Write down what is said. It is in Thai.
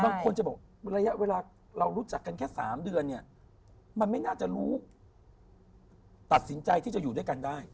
บางคนจะบอกระยะเวลาเรารู้จักกันแค่๓เดือนเนี่ยมันไม่น่าจะรู้ตัดสินใจที่จะอยู่ด้วยกันได้